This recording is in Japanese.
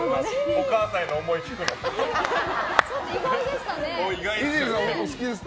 お母さんへの思い聞くのか。